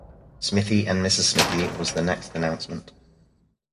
'Smithie and Mrs. Smithie’ was the next announcement.